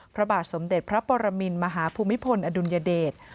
พระบาทสมเด็จพระปรมินมหาภูมิพลอดุลยเดช